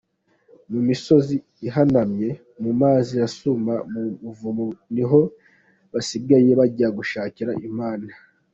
Mu misozi ihanamye, mu mazi asuma, mu buvumo niho basigaye bajya gushakira Imana.